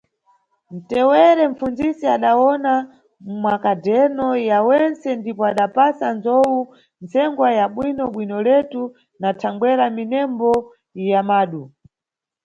Tewere mpfunzisi adawona makadhereno ya wentse ndipo adapasa nzowu ntsengwa ya bwino-bwinoletu na thangwera minembo ya madu.